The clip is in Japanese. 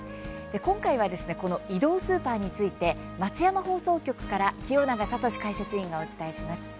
今回はこの移動スーパーについて松山放送局から清永聡解説委員がお伝えします。